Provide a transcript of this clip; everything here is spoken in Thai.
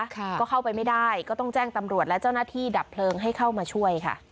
ค่ะก็เข้าไปไม่ได้ก็ต้องแจ้งตำรวจและเจ้าหน้าที่ดับเพลิงให้เข้ามาช่วยค่ะ